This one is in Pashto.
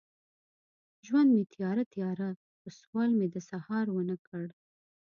ژوند مې تیاره، تیاره، خو سوال مې د سهار ونه کړ